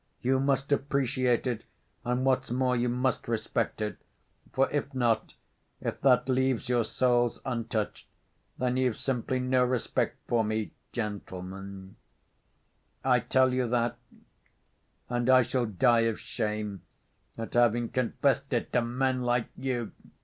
"You must appreciate it, and what's more, you must respect it, for if not, if that leaves your souls untouched, then you've simply no respect for me, gentlemen, I tell you that, and I shall die of shame at having confessed it to men like you!